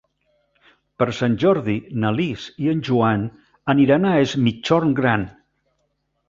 Per Sant Jordi na Lis i en Joan aniran a Es Migjorn Gran.